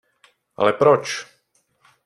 Ale proč?